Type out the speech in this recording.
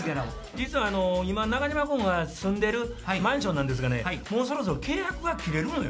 実は今中島君が住んでるマンションなんですがねもうそろそろ契約が切れるのよ。